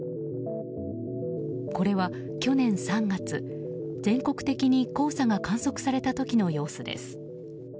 これは去年３月、全国的に黄砂が観測された時の様子です。